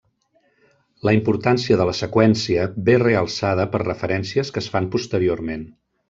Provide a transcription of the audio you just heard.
La importància de la seqüència ve realçada per referències que es fan posteriorment.